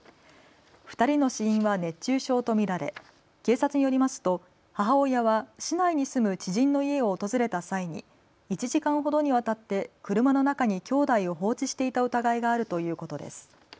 ２人の死因は熱中症と見られ警察によりますと母親は市内に住む知人の家を訪れた際に１時間ほどにわたって車の中にきょうだいを放置していた疑いがあるということです。